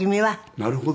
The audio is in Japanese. なるほど。